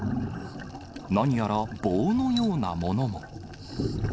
なにやら棒のようなものも。